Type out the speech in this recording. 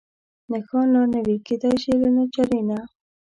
نښان لا نه وي، کېدای شي له ناچارۍ نه.